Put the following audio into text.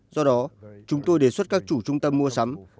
do đó chúng tôi đề xuất các chủ trung tâm mua sắm